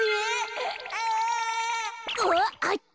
あっあった！